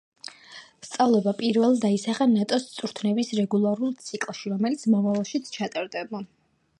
სწავლება პირველად აისახა ნატოს წვრთნების რეგულარულ ციკლში, რომელიც მომავალშიც ჩატარდება.